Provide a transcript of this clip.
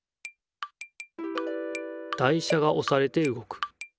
台車がおされてうごく。